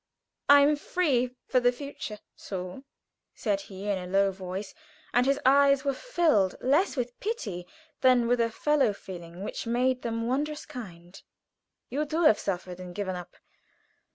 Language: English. I am free for the future." "So!" said he, in a very low voice, and his eyes were filled, less with pity than with a fellow feeling which made them "wondrous kind." "You too have suffered, and given up.